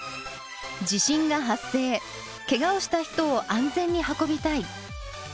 地震が発生けがをした人を安全に運びたい。